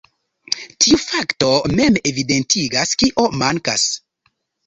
Tiu fakto mem evidentigas, kio mankas.